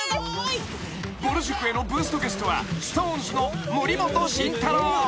［ぼる塾へのブーストゲストはＳｉｘＴＯＮＥＳの森本慎太郎］